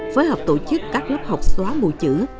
phối hợp tổ chức các lớp học xóa mù chữ